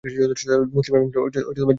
মুসলিম এবং জিউস এর বিরোধিতা করে।